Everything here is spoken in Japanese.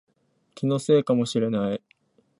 気のせいかもしれない